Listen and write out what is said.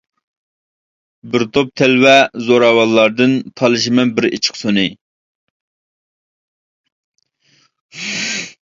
بىر توپ تەلۋە زوراۋانلاردىن، تالىشىمەن بىر ئېچىق سۇنى.